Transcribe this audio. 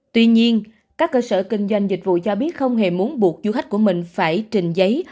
tuy nhiên các cơ sở kinh doanh dịch vụ cho biết không hề muốn buộc du khách của mình phải trình giấy